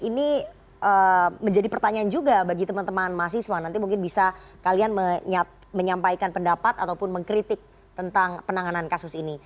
ini menjadi pertanyaan juga bagi teman teman mahasiswa nanti mungkin bisa kalian menyampaikan pendapat ataupun mengkritik tentang penanganan kasus ini